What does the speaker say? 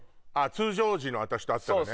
通常時の私と会ったらね。